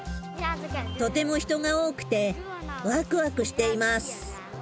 とても人が多くて、わくわくしています。